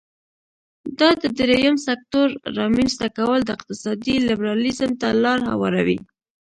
دا د دریم سکتور رامینځ ته کول د اقتصادي لیبرالیزم ته لار هواروي.